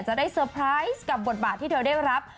จะได้เซอร์ไพรส์กับบทบาทที่เธอได้รับ